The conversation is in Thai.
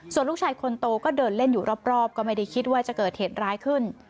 ส่วนลูกชายคนโตก็เดินเล่นอยู่รอบก็ไม่ได้คิดว่าจะเกิดเหตุร้ายขึ้น